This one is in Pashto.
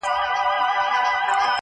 ما یې کړي په دښتونو کي مستې دي -